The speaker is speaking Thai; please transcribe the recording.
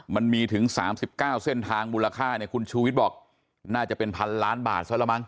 มันมีถึง๓๙เส้นทางมูลค่าเนี่ยคุณชูวิทย์บอกน่าจะเป็นพันล้านบาทซะละมั